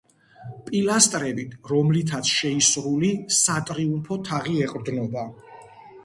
პილასტრებით, რომლითაც შეისრული, სატრიუმფო თაღი ეყრდნობა.